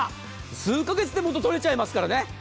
数か月で元が取れちゃいますからね。